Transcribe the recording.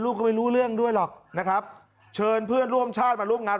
ก็ไม่รู้เรื่องด้วยหรอกนะครับเชิญเพื่อนร่วมชาติมาร่วมงาน